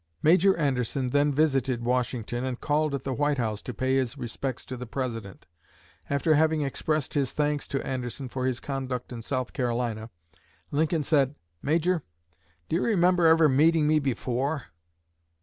Major Anderson then visited Washington and called at the White House to pay his respects to the President. After having expressed his thanks to Anderson for his conduct in South Carolina, Lincoln said, "Major, do you remember ever meeting me before?"